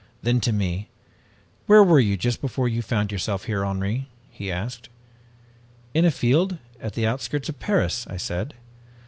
Then to me, 'Where were you just before you found yourself here, Henri?' he asked. "'In a field at the outskirts of Paris,' I said.